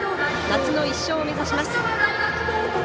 夏の１勝を目指します。